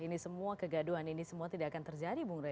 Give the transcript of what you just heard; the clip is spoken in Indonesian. ini semua kegaduhan ini semua tidak akan terjadi bung rey